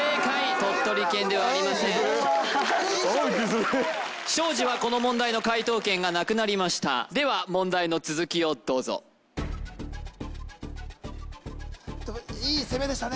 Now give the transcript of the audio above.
鳥取県ではありません庄司はこの問題の解答権がなくなりましたでは問題の続きをどうぞいい攻めでしたね